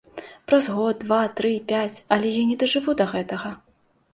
Праз год, два, тры, пяць, але я не дажыву да гэтага.